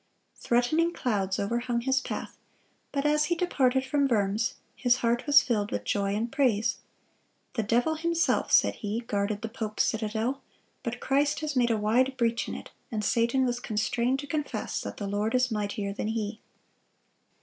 Threatening clouds overhung his path; but as he departed from Worms, his heart was filled with joy and praise. "The devil himself," said he, "guarded the pope's citadel; but Christ has made a wide breach in it, and Satan was constrained to confess that the Lord is mightier than he."